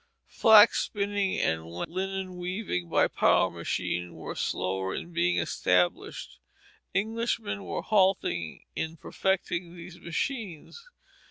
Flax spinning and linen weaving by power machinery were slower in being established. Englishmen were halting in perfecting these machines.